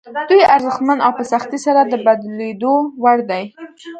دوی ارزښتمن او په سختۍ سره د بدلېدو وړ دي.